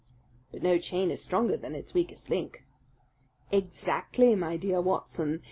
"But no chain is stronger than its weakest link." "Exactly, my dear Watson!